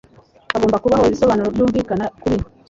Hagomba kubaho ibisobanuro byumvikana kubi.